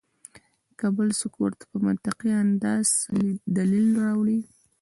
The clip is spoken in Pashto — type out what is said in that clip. کۀ بل څوک ورته پۀ منطقي انداز څۀ دليل راوړي